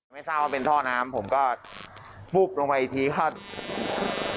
ไม่ทราบว่าเป็นท่อน้ำผมก็ฟุบลงไปอีกทีครับ